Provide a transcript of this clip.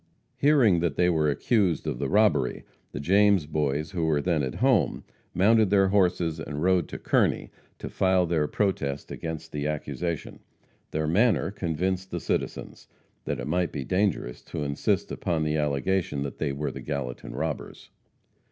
Hearing that they were accused of the robbery, the James Boys, who were then at home, mounted their horses and rode to Kearney to file their protest against the accusation. Their manner convinced the citizens that it might be dangerous to insist upon the allegation that they were the Gallatin robbers.